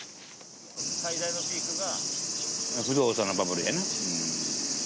不動産のバブルやな。